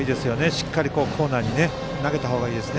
しっかりコーナーに投げた方がいいです。